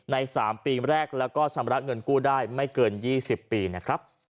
๓ปีแรกแล้วก็ชำระเงินกู้ได้ไม่เกิน๒๐ปีนะครับ